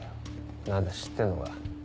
何だ知ってんのか。